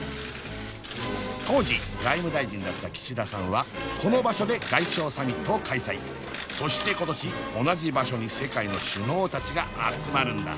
当時外務大臣だった岸田さんはこの場所で外相サミットを開催そして今年同じ場所に世界の首脳達が集まるんだ